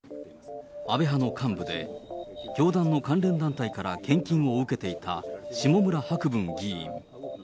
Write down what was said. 安倍派の幹部で、教団の関連団体から献金を受けていた下村博文議員。